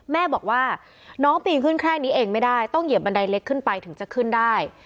แม่บอกว่าน้องปีนขึ้นแค่นี้เองไม่ได้ต้องเหยียบบันไดเล็กขึ้นไปถึงจะขึ้นได้